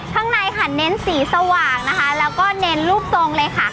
ข้างในเน้นสีสว่างและเน้นรูปทรงเลยค่ะ